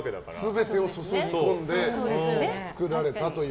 全てを注ぎ込んで作られたという。